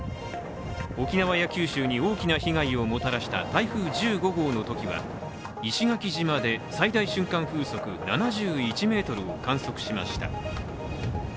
沖縄や九州に大きな被害をもたらした台風１５号の時は石垣島で最大瞬間風速７１メートルを観測しました。